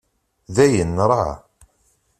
Dayen, nraε.